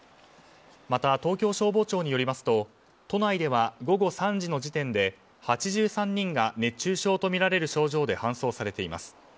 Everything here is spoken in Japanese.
また、東京消防庁によりますと都内では午後３時の時点で８４人が熱中症とみられる症状で搬送されています。